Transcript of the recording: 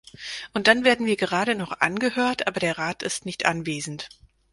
Und dann werden wir gerade noch angehört, aber der Rat ist nicht anwesend.